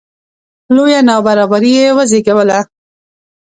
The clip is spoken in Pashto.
لویه نابرابري یې وزېږوله